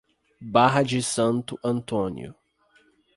Barra de Santo Antônio